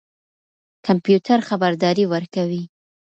کمپيوټر خبردارى ورکوي.